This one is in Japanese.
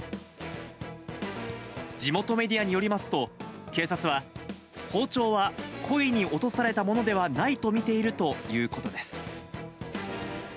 地元メディアによりますと、警察は、包丁は故意に落とされたものではないと見ているということです。